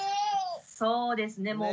そうですね。